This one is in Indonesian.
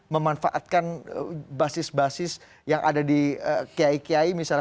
memanfaatkan basis basis yang ada di kiai kiai misalnya